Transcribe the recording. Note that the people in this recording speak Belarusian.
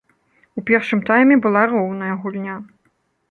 У першым тайме была роўная гульня.